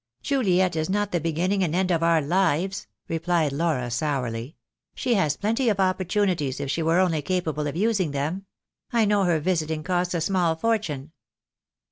"Juliet is not the beginning and end of our lives," replied Laura, sourly. "She has plenty of opportunities, if she were only capable of using them. I know her visiting costs a small fortune."